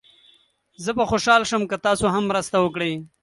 زه به خوشحال شم که تاسو هم مرسته وکړئ.